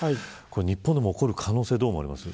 日本でも起こる可能性どう思われます。